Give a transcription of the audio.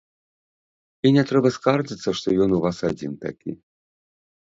І не трэба скардзіцца, што ён у вас адзін такі.